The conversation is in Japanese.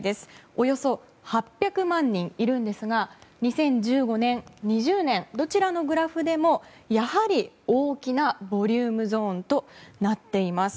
およそ８００万人いるんですが２０１５年２０２０年、どちらのグラフでもやはり大きなボリュームゾーンとなっています。